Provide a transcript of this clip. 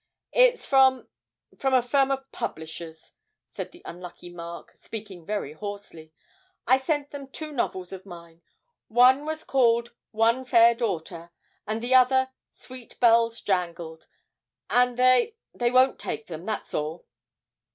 It's from from a firm of publishers,' said the unlucky Mark, speaking very hoarsely; 'I sent them two novels of mine one was called "One Fair Daughter," and the other "Sweet Bells Jangled" and they, they won't take them that's all.'